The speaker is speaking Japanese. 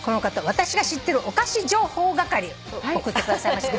「私が知ってるお菓子情報係」送ってくださいました。